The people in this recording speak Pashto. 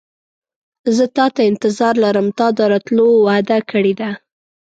زه تاته انتظار لرم تا د راتلو وعده کړې ده.